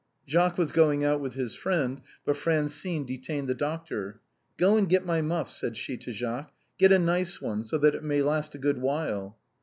Jacques was going out with his friend, but Francine detained the doctor. " Go and get my muff," said she to Jacques ;" get a nice one, so that it may last a good while."